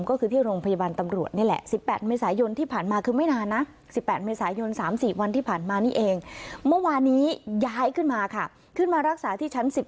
ก็คือที่โรงพยาบาลตำรวจ